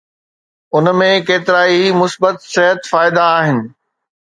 ان ۾ ڪيترائي مثبت صحت فائدا آھن